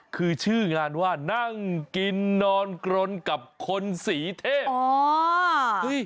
คือชื่องานว่านั่งกินนอนกรนกับคนสีเทพ